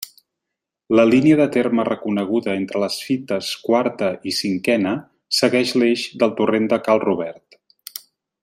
La línia de terme reconeguda entre les fites quarta i cinquena segueix l'eix del torrent de Cal Robert.